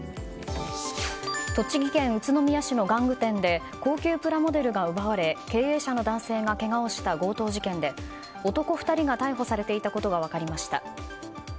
栃木県宇都宮市の玩具店で高級プラモデルが奪われ経営者の男性がけがをした強盗事件で男２人が逮捕されていたことが分かりました。